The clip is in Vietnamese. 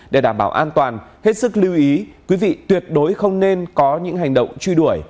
để đảm bảo an toàn hết sức lưu ý quý vị tuyệt đối không nên có những hành động truy đuổi